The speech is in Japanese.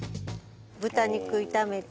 豚肉炒めて。